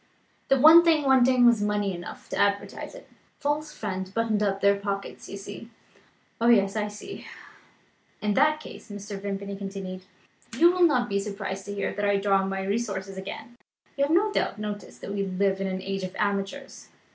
The one thing wanting was money enough to advertise it. False friends buttoned up their pockets. You see?" "Oh, yes; I see." "In that case," Mr. Vimpany continued, "you will not be surprised to hear that I draw on my resources again. You have no doubt noticed that we live in an age of amateurs.